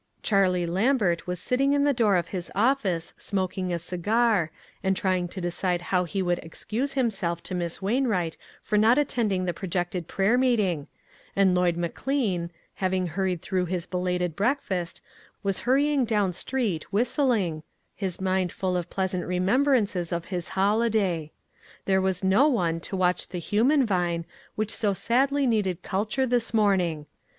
Charlie Lambert was sitting in the door of his office smoking a cigar, and try ing to decide how he would excuse himself to Miss Wainwright for not attending the projected prayer meeting, and Lloyd Mc Lean, having harried through his belated breakfast, was hurrying down street, whist ling, his mind full of pleasant remem brances of his holiday. There was no one to watch the human vine which so sadly needed culture this morning.